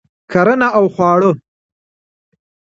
کرنه او خواړه